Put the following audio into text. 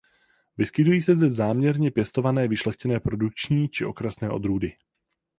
Vyskytují se zde však záměrně pěstované vyšlechtěné produkční či okrasné odrůdy.